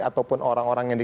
ataupun orang orang yang di